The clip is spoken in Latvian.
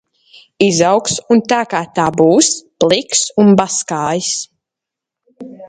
Izaugs un tā kā tā būs pliks un baskājis.